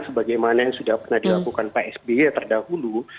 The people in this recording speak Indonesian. sebagaimana yang sudah pernah dilakukan pak sby terdahulu